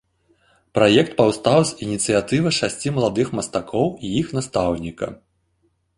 Праект паўстаў з ініцыятывы шасці маладых мастакоў і іх настаўніка.